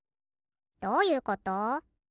どういうこと？